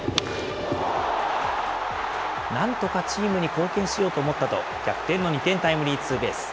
なんとかチームに貢献しようと思ったと、逆転の２点タイムリーツーベース。